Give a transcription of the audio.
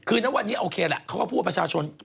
คือณวันนี้โอเคแหละเขาก็พูดว่าประชาชน